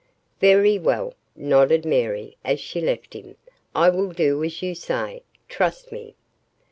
"Very well," nodded Mary as she left him, "I will do as you say trust me."